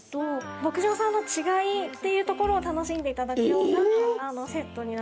牧場さんの違いっていうところを楽しんでいただくようなセットになってます。